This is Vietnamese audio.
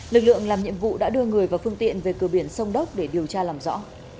lực lượng làm nhiệm vụ đã đưa người và phương tiện về cửa biển sông đốc để điều tra làm rõ